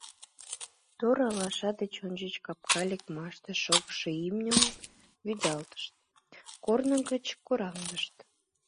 Тор алаша деч ончыч капка лекмаште шогышо имньым вӱдалтышт, корно гыч кораҥдышт.